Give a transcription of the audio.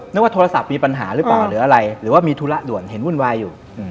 ว่าโทรศัพท์มีปัญหาหรือเปล่าหรืออะไรหรือว่ามีธุระด่วนเห็นวุ่นวายอยู่